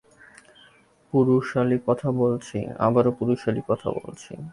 পুরুষালি কথা বলছি, আবারো পুরুষালি কথা বলছি।